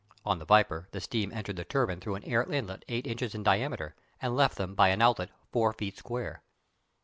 (On the Viper the steam entered the turbine through an inlet eight inches in diameter, and left them by an outlet four feet square.)